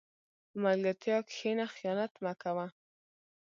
په ملګرتیا کښېنه، خیانت مه کوه.